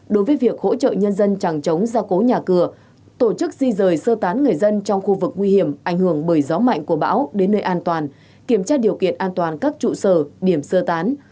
đối với việc hỗ trợ nhân dân chẳng chống ra cố nhà cửa tổ chức di rời sơ tán người dân trong khu vực nguy hiểm ảnh hưởng bởi gió mạnh của bão đến nơi an toàn kiểm tra điều kiện an toàn các trụ sở điểm sơ tán